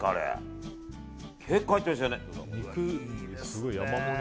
結構入ってましたよね。